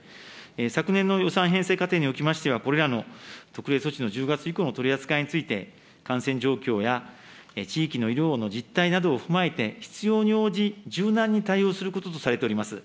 昨年の予算編成過程におきましては、これらの特例措置の１０月以降の取り扱いについて、感染状況や地域の医療の実態などを踏まえて、必要に応じ、柔軟に対応することとされております。